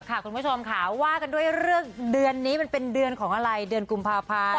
คุณผู้ชมค่ะว่ากันด้วยเรื่องเดือนนี้มันเป็นเดือนของอะไรเดือนกุมภาพันธ์